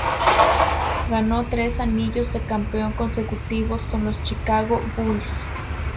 Ganó tres anillos de campeón consecutivos con los Chicago Bulls.